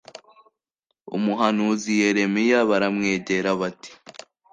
umuhanuzi Yeremiya baramwegera bati